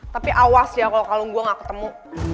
tapi awas ya kalau kalung gue gak ketemu